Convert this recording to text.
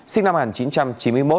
sinh năm một nghìn chín trăm chín mươi một